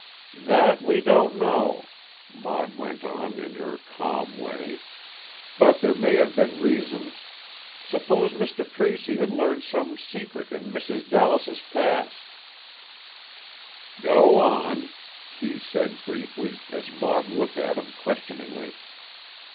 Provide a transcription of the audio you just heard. "That we don't know," Maud went on in her calm way. "But there may have been reasons. Suppose Mr. Tracy had learned some secret in Mrs. Dallas's past——" "Go on," Kee said, briefly, as Maud looked at him questioningly.